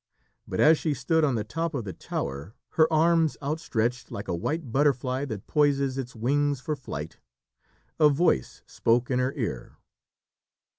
But as she stood on the top of the tower, her arms outstretched, like a white butterfly that poises its wings for flight, a voice spoke in her ear.